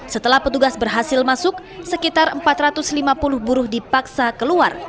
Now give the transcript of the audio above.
setelah petugas berhasil masuk sekitar empat ratus lima puluh buruh dipaksa keluar